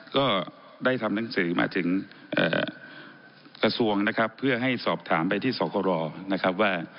ก็ได้ทำหนังสือมาถึงกระทรวงนะครับเพื่อให้สอบถามไปที่สครอนะครับว่า